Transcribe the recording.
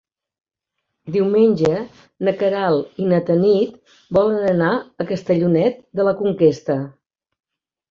Diumenge na Queralt i na Tanit volen anar a Castellonet de la Conquesta.